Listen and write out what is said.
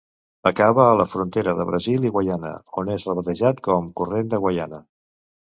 Acaba a la frontera de Brasil i Guaiana, on és rebatejat com Corrent de Guaiana.